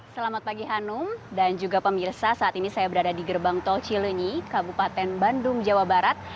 selamat pagi hanum dan juga pemirsa saat ini saya berada di gerbang tol cilenyi kabupaten bandung jawa barat